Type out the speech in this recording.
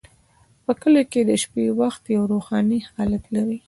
په کلیو کې د شپې وخت یو روحاني حالت لري.